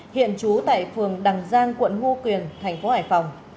hiện trú tại phường đằng giang quận ngo quyền thành phố hải phòng